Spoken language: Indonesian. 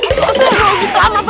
aduh rogi pelan apaan ini